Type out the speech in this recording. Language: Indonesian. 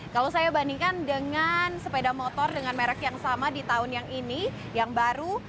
kalau saya bandingkan dengan sepeda motor dengan merek yang sama di tahun yang ini yang baru